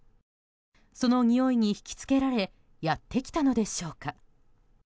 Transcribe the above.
そのにおいに引き付けられやってきたのでしょうか。